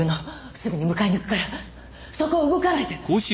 すぐに迎えにいくからそこを動かないで！